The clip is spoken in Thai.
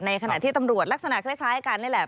ขณะที่ตำรวจลักษณะคล้ายกันนี่แหละ